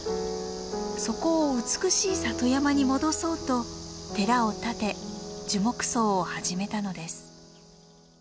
そこを美しい里山に戻そうと寺を建て樹木葬を始めたのです。